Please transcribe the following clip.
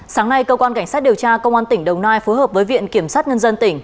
sáng nay cơ quan cảnh sát điều tra công an tỉnh đồng nai phối hợp với viện kiểm sát nhân dân tỉnh